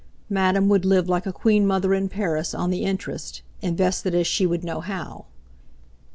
Madame would live like a Queen Mother in Paris on the interest, invested as she would know how.